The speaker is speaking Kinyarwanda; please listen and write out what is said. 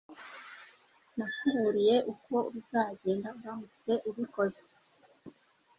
Nakuburiye uko bizagenda uramutse ubikoze